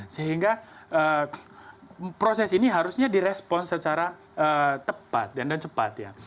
sehingga proses ini harusnya direspon secara tepat dan cepat ya